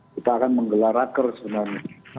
kita akan menggelar raker sebenarnya